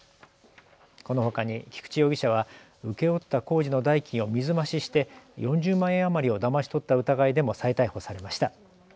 このほかに菊地容疑者は請け負った工事の代金を水増しして４０万円余りをだまし取った疑いでも再逮捕されました。